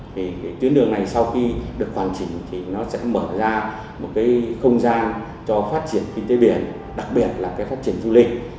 thì tuyến đường này sau khi được hoàn chỉnh thì nó sẽ mở ra một cái không gian cho phát triển kinh tế biển đặc biệt là cái phát triển du lịch